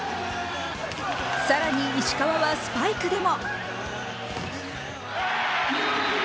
更に、石川はスパイクでも！